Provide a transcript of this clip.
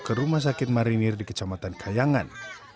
ke rumah sakit marinir di kecamatan kayangan